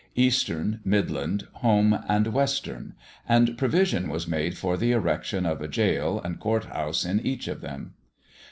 Eastern, Midland, Home, and Western; and provision was made for the erection of a gaol and court house in each of them.